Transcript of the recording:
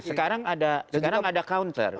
sekarang ada counter